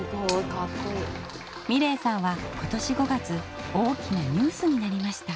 美礼さんは今年５月大きなニュースになりました。